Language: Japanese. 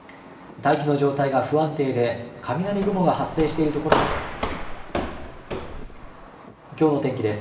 大気の状態が不安定で雷雲が発生しているところもあります。